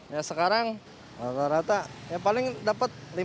ya sekarang rata rata ya paling dapat lima ratus enam ratus paling